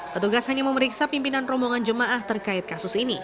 petugas hanya memeriksa pimpinan rombongan jemaah terkait kasus ini